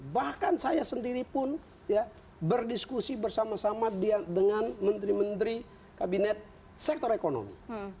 bahkan saya sendiri pun berdiskusi bersama sama dengan menteri menteri kabinet sektor ekonomi